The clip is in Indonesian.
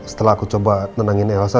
setelah aku coba nenangin elsa